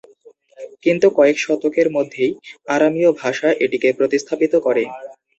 কিন্তু কয়েক শতকের মধ্যেই আরামীয় ভাষা এটিকে প্রতিস্থাপিত করে।